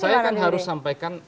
saya kan harus sampaikan